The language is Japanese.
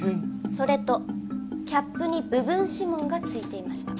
それとキャップに部分指紋がついていました。